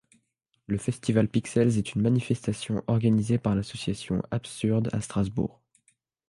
Le Festival Pixels est une manifestation organisée par l'association Absurde à Strasbourg.